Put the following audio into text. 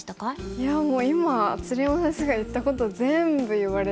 いやもう今鶴山先生が言ったこと全部言われて。